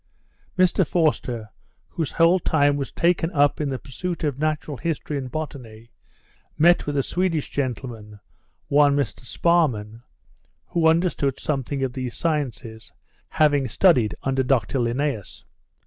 Mr Forster, whose whole time was taken up in the pursuit of natural history and botany, met with a Swedish gentleman, one Mr Sparman, who understood something of these sciences, having studied under Dr Linnæus.